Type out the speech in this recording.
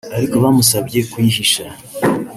ariko bamusabye kuyihisha